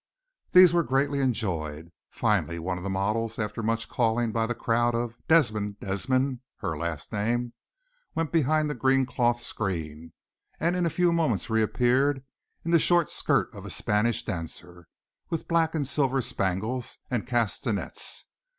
These were greatly enjoyed. Finally one of the models, after much calling by the crowd of "Desmond! Desmond!" her last name went behind the green cloth screen and in a few moments reappeared in the short skirt of a Spanish dancer, with black and silver spangles, and castanets.